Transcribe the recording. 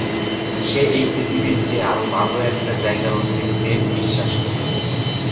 সে এই পৃথিবীর চেয়ে আরও ভালো একটা জায়গার অস্তিত্বে বিশ্বাস করত।